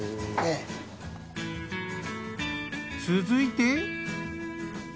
続いて。